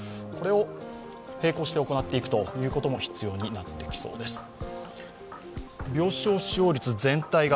これを並行して行っていくということも必要になってきそうです。